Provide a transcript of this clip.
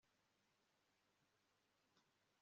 mu nzira igoye y'ubuzima